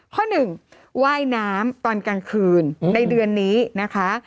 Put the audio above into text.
ข้อหนึ่งว่ายน้ำตอนกลางคืนในเดือนนี้นะคะ